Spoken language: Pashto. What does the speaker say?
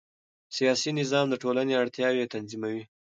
سیاسي نظام د ټولنې اړتیاوې تنظیموي